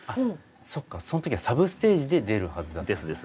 そっかその時はサブステージで出るはずだったんだ。